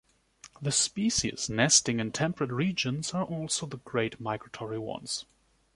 The species nesting in temperate regions are also great migratory ones.